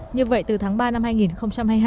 như vậy từ tháng ba năm hai nghìn hai mươi hai